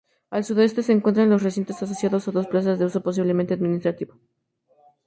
Al sudeste se encuentra los recintos asociados a dos plazas de uso posiblemente administrativo.